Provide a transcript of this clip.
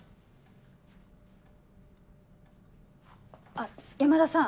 あっ山田さん。